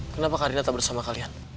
kenapa karina tak bersama kalian